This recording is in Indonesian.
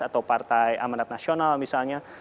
atau partai amanat nasional misalnya